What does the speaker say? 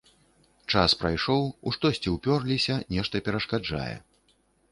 Час прайшоў, у штосьці ўпёрліся, нешта перашкаджае.